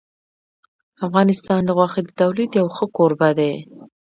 افغانستان د غوښې د تولید یو ښه کوربه دی.